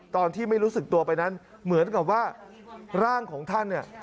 ตอนที่ไม่รู้สึกตัวไปนั้นเหมือนกับว่าร่างของท่านเนี่ย